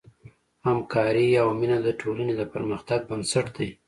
همکاري او مینه د ټولنې د پرمختګ بنسټ دی.